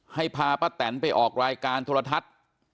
ให้พาป้าแตนไปออกรายการโทรทัศน์